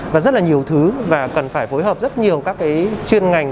và rất là nhiều thứ và cần phải phối hợp rất nhiều các cái chuyên ngành